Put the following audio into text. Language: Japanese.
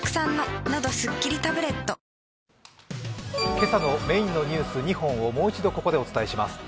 今朝のメインのニュース２本をもう一度お伝えします。